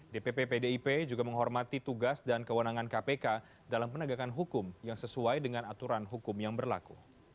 dpp pdip juga menghormati tugas dan kewenangan kpk dalam penegakan hukum yang sesuai dengan aturan hukum yang berlaku